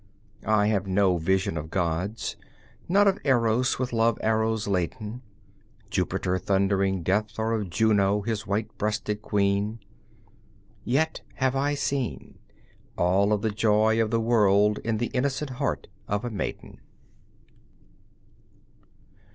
I have no vision of gods, not of Eros with love arrows laden, Jupiter thundering death or of Juno his white breasted queen, Yet have I seen All of the joy of the world in the innocent heart of a maiden.